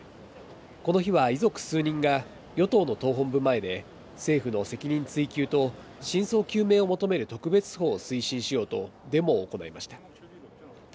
この日は遺族数人が与党の党本部前で、政府の責任追及と真相究明を求める特別法を推進しようとデモを行いました。